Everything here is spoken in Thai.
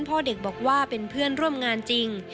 พ่อเด็กบอกว่าเป็นเพื่อนร่วมงานจริง